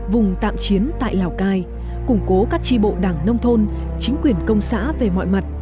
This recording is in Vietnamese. vùng tạm chiến tại lào cai củng cố các tri bộ đảng nông thôn chính quyền công xã về mọi mặt